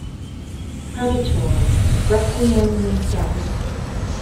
Predator: Requiem themselves.